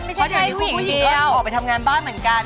ไม่ใช่แค่ผู้หญิงดีแล้วค่ะอย่างนี้คุณผู้หญิงก็ออกไปทำงานบ้านเหมือนกัน